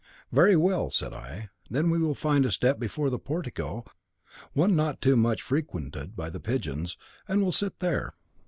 'Very well,' said I, 'then we will find a step before the portico, one not too much frequented by the pigeons, and will sit there.'